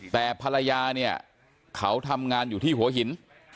แต่ภรรยาเนี่ยเขาทำงานอยู่ที่หัวหิน